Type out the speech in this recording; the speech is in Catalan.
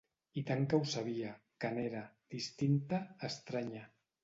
I tant que ho sabia, que n'era, distinta, estranya.